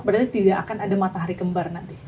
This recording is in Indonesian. berarti tidak akan ada matahari kembar nanti